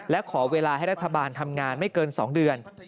และขอเวลาให้รัฐบาลทำงานไม่เกิน๒เดือน